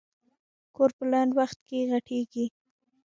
کور په لنډ وخت کې غټېږي.